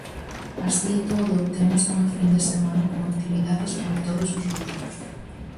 Así e todo, temos unha fin de semana con actividades para todos os gustos.